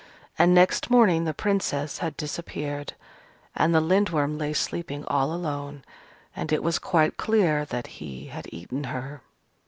And next morning the Princess had disappeared: and the Lindworm lay sleeping all alone; and it was quite clear that he had eaten her.